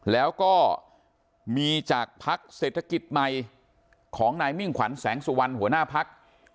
แล้วก็มีจากภักดิ์เศรษฐกิจใหม่ของนายมิ่งขวัญแสงสุวรรณหัวหน้าพัก